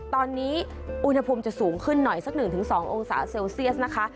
ตอนนี้อุณหภูมิจะสูงขึ้นหน่อยสัก๑๒องศาเซลเซียสนะคะ